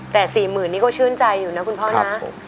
แต่๔๐๐๐นี่ก็ชื่นใจอยู่นะคุณพ่อนะ